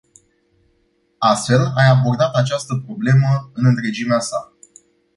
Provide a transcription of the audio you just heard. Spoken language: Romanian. Astfel ai abordat această problemă în întregimea sa.